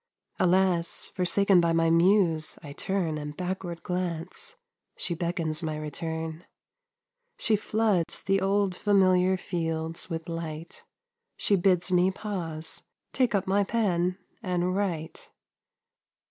Alas! forsaken by my Muse I turn And backward glance she beckons my return She floods the old familiar fields with light, She bids me pause, take up my pen and write.